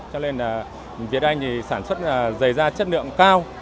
cho nên là việt anh thì sản xuất dày da chất lượng cao